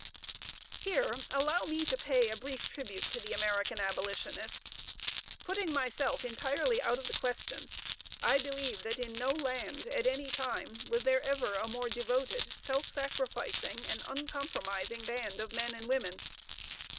Here allow me to pay a brief tribute to the American abolitionists. Putting myself entirely out of the question, I believe that in no land, at any time, was there ever a more devoted, self sacrificing, and uncompromising band of men and women.